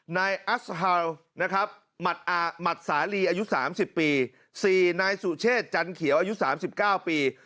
นายอัสฮาลนะครับหมัดสาลีอายุ๓๐ปี๔นายสุเชษจันเขียวอายุ๓๙ปี